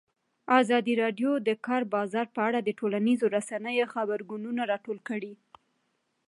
ازادي راډیو د د کار بازار په اړه د ټولنیزو رسنیو غبرګونونه راټول کړي.